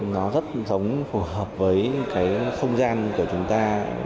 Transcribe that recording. nó rất giống phù hợp với cái không gian của chúng ta